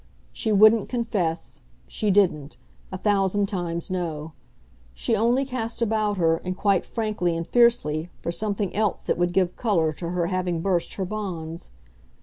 She wouldn't confess, she didn't a thousand times no; she only cast about her, and quite frankly and fiercely, for something else that would give colour to her having burst her bonds.